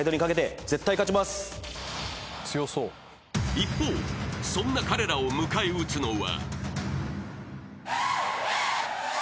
［一方そんな彼らを迎え撃つのは］